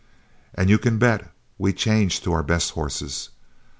And you can just bet we changed to our best horses.